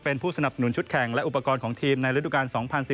เป็นผู้สนับสนุนชุดแข่งและอุปกรณ์ของทีมในฤดูกาล๒๐๑๙